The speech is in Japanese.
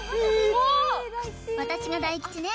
私が大吉ね